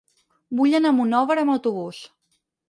Vull anar a Monòver amb autobús.